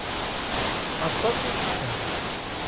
Aṭas i nessen.